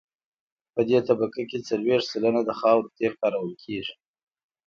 په دې طبقه کې څلویښت سلنه د خاورو تیل کارول کیږي